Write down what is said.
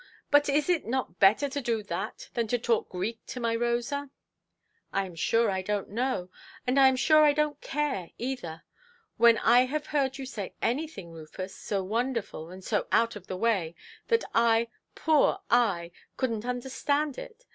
But is it not better to do that than to talk Greek to my Rosa"? "I am sure I donʼt know; and I am sure I donʼt care either. When have I heard you say anything, Rufus, so wonderful, and so out of the way, that I, poor I, couldnʼt understand it?